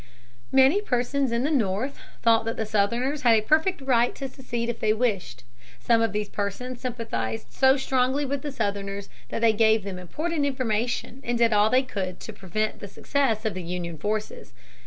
Many persons in the North thought that the Southerners had a perfect right to secede if they wished. Some of these persons sympathized so strongly with the Southerners that they gave them important information and did all they could to prevent the success of the Union forces.